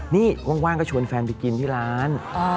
นี่ว่างก็ชวนแฟนไปกินที่ร้าน